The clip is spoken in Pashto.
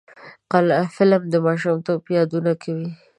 فلم د ماشومتوب یادونه کوي